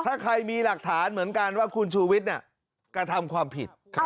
ถ้าใครมีหลักฐานเหมือนกันว่าคุณชูวิทย์กระทำความผิด